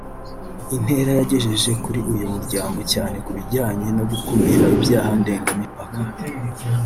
intera yagejeje kuri uyu muryango cyane ku bijyanye no gukumira ibyaha ndengamipaka